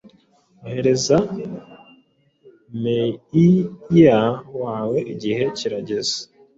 Ohereza Meiya wawe, igihe kirageze